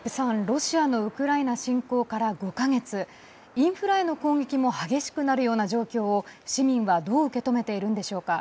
ロシアのウクライナ侵攻から５か月インフラへの攻撃も激しくなるような状況を市民は、どう受け止めているんでしょうか。